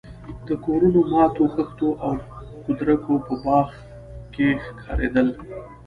د کورونو ماتو خښتو او کودرکو په باغ کې ښکارېدل.